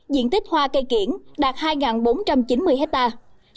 diện tích hoa cây kiển đạt hai bốn trăm chín mươi hectare